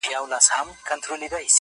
که دا دنیا او که د هغي دنیا حال ته ګورم~